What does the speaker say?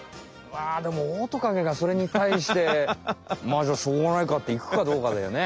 でもオオトカゲがそれにたいして「まあじゃあしょうがないか」っていくかどうかだよね。